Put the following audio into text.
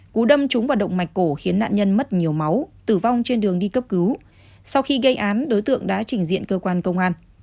cú đâm trúng vào động mạch cổ khiến nạn nhân mất nhiều máu tử vong trên đường đi cấp cứu sau khi gây án đối tượng đã trình diện cơ quan công an